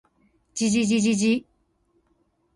じじじじじ